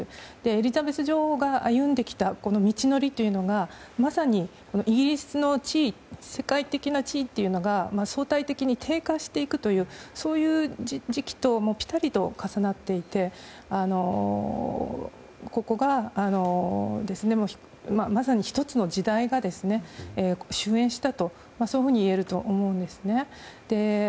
エリザベス女王が歩んできた道のりというのがまさにイギリスの世界的な地位というのが相対的に低下していくというそういう時期とぴたりと重なっていてここがまさに１つの時代が終えんしたといえると思います。